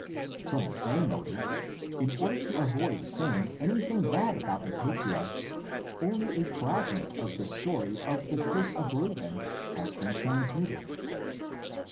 From the same motive, in order to avoid saying anything bad about the patriarchs, only a fragment of the story of the curse of Reuben has been trans mitted (xxxv.